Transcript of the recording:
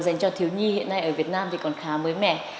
dành cho thiếu nhi hiện nay ở việt nam thì còn khá mới mẻ